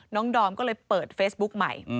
ดอมก็เลยเปิดเฟซบุ๊กใหม่